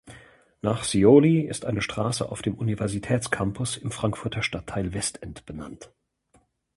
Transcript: Nach Sioli ist eine Straße auf dem Universitätscampus im Frankfurter Stadtteil Westend benannt.